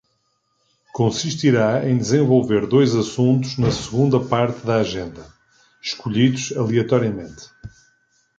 Consistirá em desenvolver dois assuntos na segunda parte da agenda, escolhidos aleatoriamente.